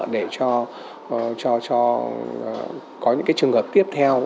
để cho có những cái trường hợp tiếp theo